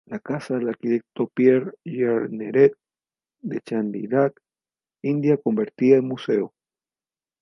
La casa del arquitecto Pierre Jeanneret en Chandigarh, India, convertida en museo.